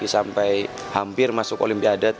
sampai hampir masuk olimpiade